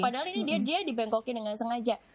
padahal ini dia di bangkokin dengan sengaja